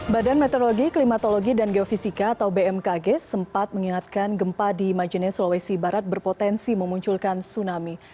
badan meteorologi klimatologi dan geofisika atau bmkg sempat mengingatkan gempa di majene sulawesi barat berpotensi memunculkan tsunami